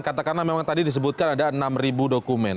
katakanlah memang tadi disebutkan ada enam dokumen